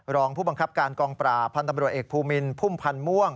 รองผู้บังคับการกองปราบพันธ์ตำรวจเอกภูมินพุ่มพันธ์ม่วง